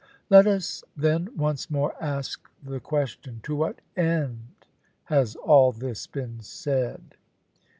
Let us then once more ask the question, To what end has all this been said?